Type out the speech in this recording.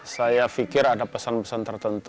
saya pikir ada pesan pesan tertentu